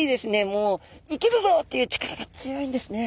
もう生きるぞっていう力が強いんですね。